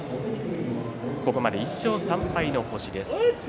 ここまで１勝３敗の星。